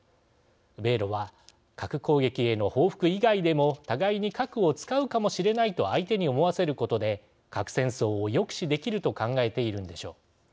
米ロは、核攻撃への報復以外でも互いに核を使うかもしれないと相手に思わせることで核戦争を抑止できると考えているんでしょう。